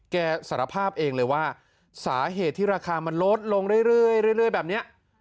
สารภาพเองเลยว่าสาเหตุที่ราคามันลดลงเรื่อยแบบนี้